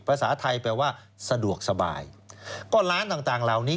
ภาษาไทยแปลว่าสะดวกสบายก็ร้านต่างต่างเหล่านี้